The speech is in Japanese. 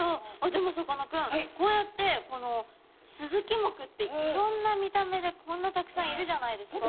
でもさかなクンこうやってスズキ目っていろんな見た目でこんなたくさんいるじゃないですか。